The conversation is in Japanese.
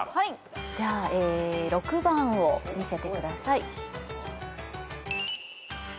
じゃあ６番を見せてください。